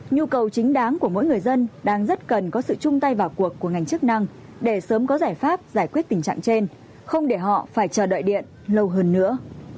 nhu cầu chính đáng của mỗi người dân đang rất cần có sự chung tay vào cuộc của ngành chức năng để sớm có giải pháp giải quyết tình trạng trên không để họ phải chờ đợi điện lâu hơn nữa